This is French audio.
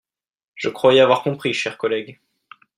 Je croyais avoir compris, chers collègues